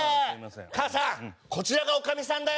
母さんこちらがおかみさんだよ。